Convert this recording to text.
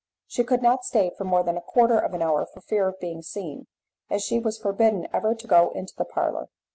She could not stay for more than a quarter of an hour for fear of being seen, as she was forbidden ever to go into the parlour.